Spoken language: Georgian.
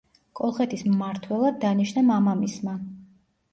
კოლხეთის მმართველად დანიშნა მამამისმა.